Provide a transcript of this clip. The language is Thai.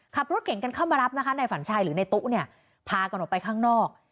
ขับรถเก่งกันเข้ามารับนะคะในฝันชัยหรือในตู้เนี่ยพากันออกไปข้างนอก